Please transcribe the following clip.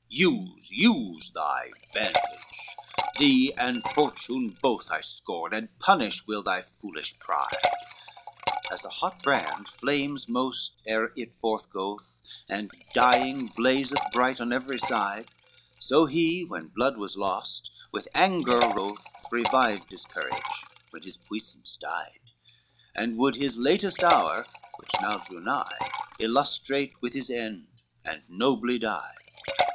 XXII "Use, use thy vantage, thee and fortune both I scorn, and punish will thy foolish pride:" As a hot brand flames most ere it forth go'th, And dying blazeth bright on every side; So he, when blood was lost, with anger wroth, Revived his courage when his puissance died, And would his latest hour which now drew nigh, Illustrate with his end, and nobly die.